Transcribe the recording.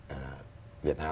của doanh nghiệp